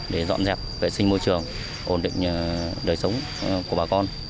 để dọn dẹp vệ sinh môi trường ổn định đời sống của bà con